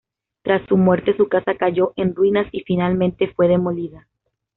Tras su muerte, su casa cayó en ruinas y finalmente fue demolida.